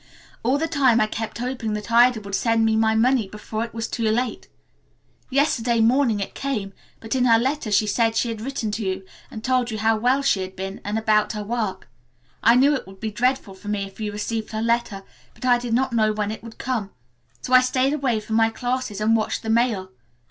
All the time I kept hoping that Ida would send my money before it was too late. Yesterday morning it came, but in her letter she said she had written to you and told you how well she had been and about her work. I knew it would be dreadful for me if you received her letter, but I did not know when it would come, so I stayed away from my classes and watched the mail.